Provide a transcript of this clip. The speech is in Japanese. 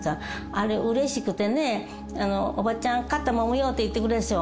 あれ、うれしくてね、おばちゃん、肩もむよって言ってくれるでしょ。